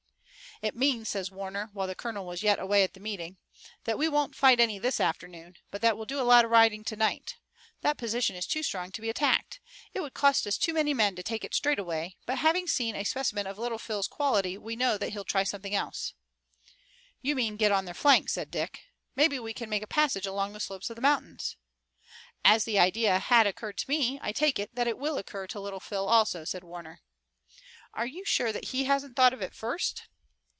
"It means," said Warner, while the colonel was yet away at the meeting, "that we won't fight any this afternoon, but that we'll do a lot of riding tonight. That position is too strong to be attacked. It would cost us too many men to take it straight away, but having seen a specimen of Little Phil's quality we know that he'll try something else." "You mean get on their flank," said Dick. "Maybe we can make a passage along the slopes of the mountains." "As the idea has occurred to me I take it that it will occur to Little Phil also," said Warner. "Are you sure that he hasn't thought of it first?"